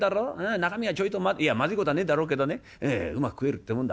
中身はちょいとままずい事はねえだろうけどねうまく食えるってもんだ